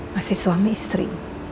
masih suami istri